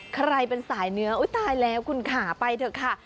ใครเป็นสายเนื้ออุ๊ยตายแล้วคุณค่ะไปเถอะค่ะ